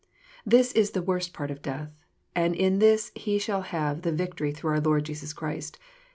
This is the worst part of death, — and in this he shall have the " victory through our Lord Jesus Christ."